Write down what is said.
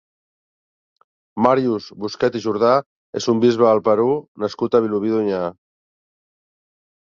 Màrius Busquets i Jordà és un bisbe al Perú nascut a Vilobí d'Onyar.